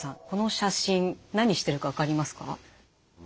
この写真何してるか分かりますか？